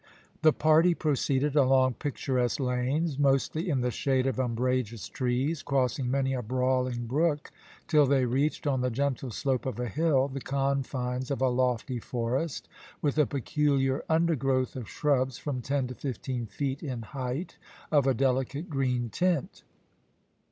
The party proceeded along picturesque lanes, mostly in the shade of umbrageous trees, crossing many a brawling brook, till they reached, on the gentle slope of a hill, the confines of a lofty forest, with a peculiar undergrowth of shrubs from ten to fifteen feet in height of a delicate green tint.